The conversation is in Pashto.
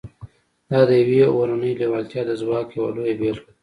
دا د يوې اورنۍ لېوالتیا د ځواک يوه لويه بېلګه ده.